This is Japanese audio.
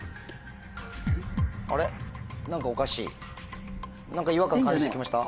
何かおかしい？何か違和感感じて来ました？